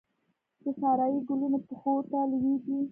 د سارايي ګلونو پښو ته لویږې